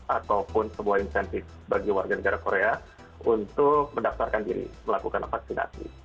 ataupun sebuah insentif bagi warga negara korea untuk mendaksarkan diri melakukan vaksinasi